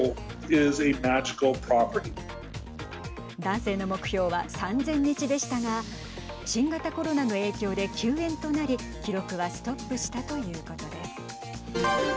男性の目標は３０００日でしたが新型コロナの影響で休園となり記録はストップしたということです。